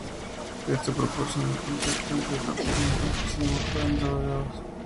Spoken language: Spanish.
Esto proporciona un contacto entre los topes mejor que si ambos fueran redondeados.